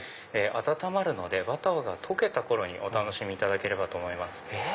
温まるのでバターが溶けた頃にお楽しみいただければと思います。